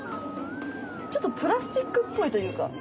ちょっとプラスチックっぽいというか。